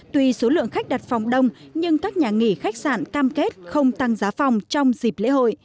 tuy số lượng khách đặt phòng đông nhưng các nhà nghỉ khách sạn cam kết không tăng giá phòng trong dịp lễ hội